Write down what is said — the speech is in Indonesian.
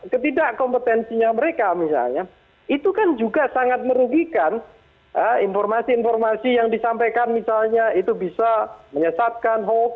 ketidak kompetensinya mereka misalnya itu kan juga sangat merugikan informasi informasi yang disampaikan misalnya itu bisa menyesatkan hoax